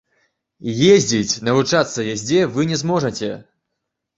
Ездзіць, навучацца яздзе вы не зможаце.